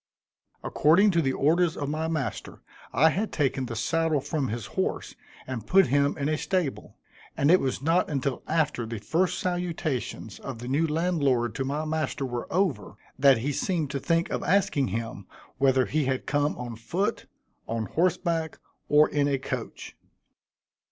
According to the orders of my master, I had taken the saddle from his horse and put him in a stable; and it was not until after the first salutations of the new landlord to my master were over, that he seemed to think of asking him whether he had come on foot, on horse back, or in a coach.